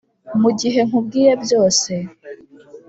mugihe nkubwiye byose